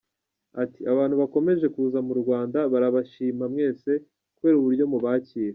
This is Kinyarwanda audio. Ati”Abantu bakomeje kuza mu Rwanda barabashima mwese kubera uburyo mubakira.